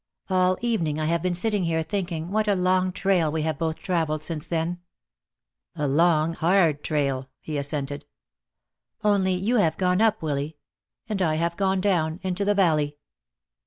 "All evening I have been sitting here thinking what a long trail we have both traveled since then." "A long, hard trail," he assented. "Only you have gone up, Willy. And I have gone down, into the valley.